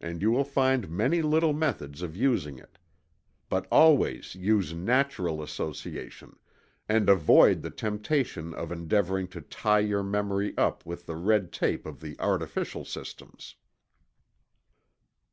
And you will find many little methods of using it. But always use natural association, and avoid the temptation of endeavoring to tie your memory up with the red tape of the artificial systems.